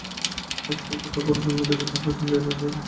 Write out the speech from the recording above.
আজকাল যাহার পড়াশুনা বেশি, তাহাকে হিন্দুয়ানিতে আঁটিয়া ওঠা শক্ত।